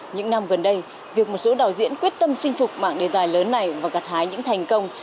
những năm gần đây việc một số đạo diễn quyết tâm chinh phục mảng đề tài lớn này và gặt hái những thành công